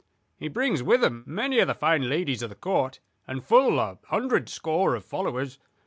He brings with him many of the fine ladies of the Court; and full a hundred score of followers.